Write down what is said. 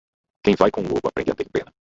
Quem vai com um lobo, aprende a ter pena.